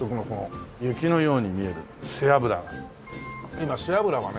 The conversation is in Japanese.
今背脂はね